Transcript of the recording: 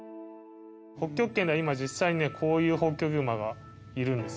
北極圏では今実際にねこういうホッキョクグマがいるんですよね。